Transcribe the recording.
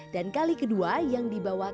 dan kalian semua bisa mengikuti video ini